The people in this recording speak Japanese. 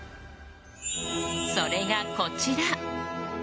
それが、こちら。